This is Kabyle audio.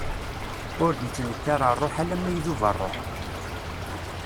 Ur d-ittnekkar ṛṛuḥ alamma idub ṛṛuḥ.